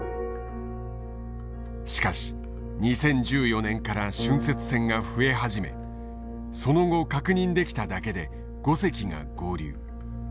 しかし２０１４年から浚渫船が増え始めその後確認できただけで５隻が合流。